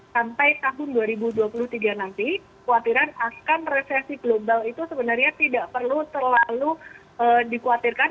sampai tahun dua ribu dua puluh tiga nanti khawatiran akan resesi global itu sebenarnya tidak perlu terlalu dikhawatirkan